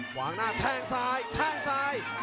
ขวางหน้าแทงซ้ายแทงซ้าย